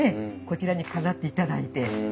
こちらに飾っていただいて。